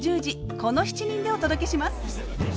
この７人でお届けします！